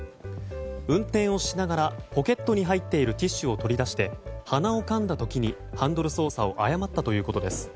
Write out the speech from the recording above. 運転をしながらポケットに入っているティッシュを取り出して鼻をかんだ時にハンドル操作を誤ったということです。